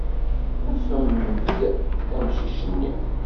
Afem-d amcic-nni.